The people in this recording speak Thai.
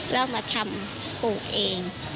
แล้วมาทำปลูกเอง